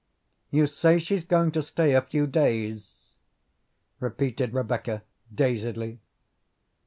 "You say she's going to stay a few days?" repeated Rebecca dazedly.